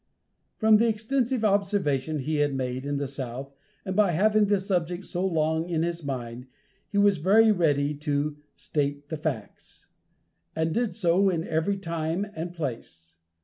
From the extensive observations he had made in the South, and by having the subject so long in his mind, he was very ready to "state facts," and did so in every time and place.